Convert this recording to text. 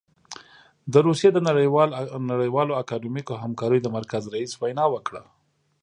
د روسيې د نړیوالو اکاډمیکو همکاریو د مرکز رییس وینا وکړه.